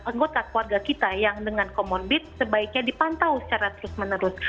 anggota keluarga kita yang dengan comorbid sebaiknya dipantau secara terus menerus